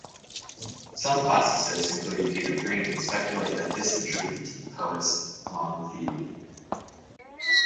Some classicists, including Peter Green, speculate that this contributed to the poets' long feud.